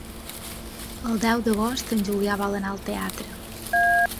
El deu d'agost en Julià vol anar al teatre.